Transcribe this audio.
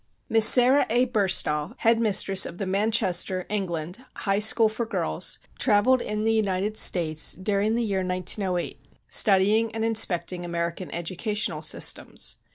Miss Sara A. Burstall, head mistress of the Manchester (England) High School for Girls, traveled in the United States during the year 1908, studying and inspecting American educational systems.